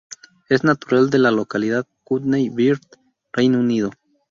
Es natural de la localidad Cockney Birth, Reino Unido.